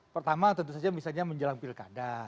pertama tentu saja misalnya menjelang pilkada